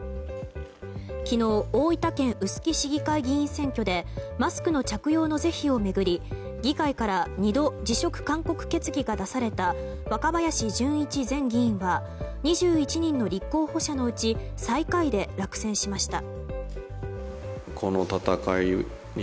昨日大分県臼杵市議会議員選挙でマスクの着用の是非を巡り議会から２度辞職勧告決議が出された若林純一前議員は２１人の立候補者のうち最下位で落選しました。